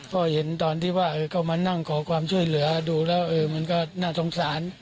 ก็เห็นตอนที่ว่าก็มานั่งขอความช่วยเหลือดูแล้วมันก็น่าสงสาร